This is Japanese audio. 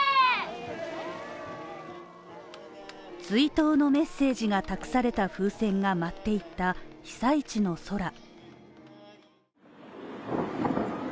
追悼のメッセージが託された風船が舞っていった被災地の空。